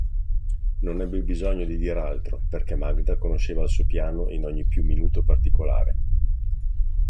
Non ebbe bisogno di dir altro, perché Magda conosceva il suo piano in ogni più minuto particolare.